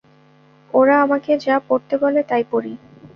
ওরা আমাকে যা পরতে বলে তাই পরি।